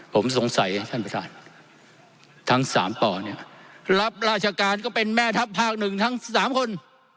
ผมสงสัยท่านประธานทั้ง๓ป่อเนี่ยรับราชการก็เป็นแม่ทัพภาคหนึ่งทั้งสามคน